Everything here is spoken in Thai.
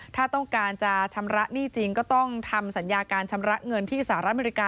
ถ้าต้องการจะชำระหนี้จริงก็ต้องทำสัญญาการชำระเงินที่สหรัฐอเมริกา